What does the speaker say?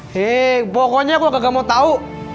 hei pokoknya gue gak mau tau